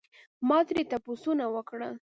ما ترې ډېر تپوسونه وکړل